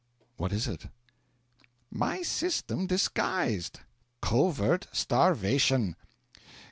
'What is it?' 'My system disguised covert starvation.